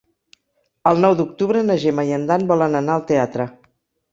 El nou d'octubre na Gemma i en Dan volen anar al teatre.